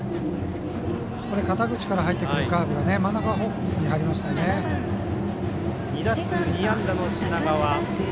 肩口から入ってくるカーブが２打数２安打の品川。